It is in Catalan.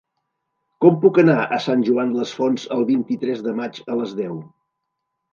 Com puc anar a Sant Joan les Fonts el vint-i-tres de maig a les deu?